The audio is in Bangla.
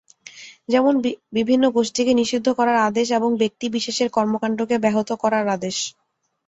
যেমন, বিভিন্ন গোষ্ঠীকে নিষিদ্ধ করার আদেশ এবং ব্যক্তিবিশেষের কর্মকাণ্ডকে ব্যাহত করার আদেশ।